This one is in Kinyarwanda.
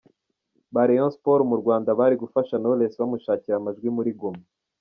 ba Rayon Sport mu Rwanda bari gufasha Knowless bamushakira amajwi muri Guma.